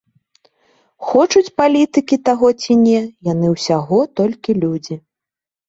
Хочуць палітыкі таго ці не, яны ўсяго толькі людзі.